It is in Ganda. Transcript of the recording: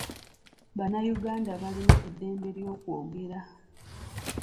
Bannayuganda balina eddembe ly'okwogera.